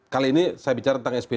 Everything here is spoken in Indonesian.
kali ini saya bicara tentang spj